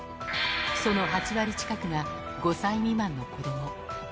その８割近くが５歳未満の子ども。